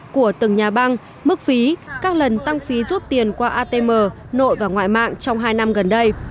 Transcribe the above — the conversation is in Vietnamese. của từng nhà băng mức phí các lần tăng phí rút tiền qua atm nội và ngoại mạng trong hai năm gần đây